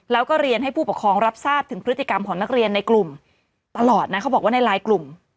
แล้วก็เรียนให้ผู้ปกครองรับทราบถึงพฤติกรรมของนักเรียนในกลุ่มตลอดนะเขาบอกว่าในไลน์กลุ่ม